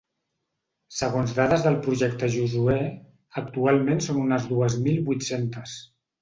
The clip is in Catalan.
Segons dades del Projecte Josuè, actualment són unes dues mil vuit-centes.